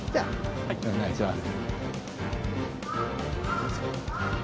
はいお願いします。